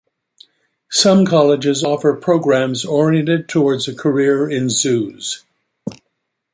Some colleges offer programs oriented towards a career in zoos.